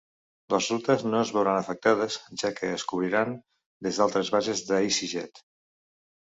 Les rutes no es veuran afectades, ja que es cobriran des d'altres bases d'Easyjet.